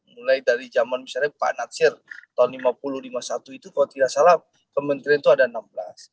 mulai dari zaman misalnya pak natsir tahun seribu sembilan ratus lima puluh lima puluh satu itu kalau tidak salah kementerian itu ada enam belas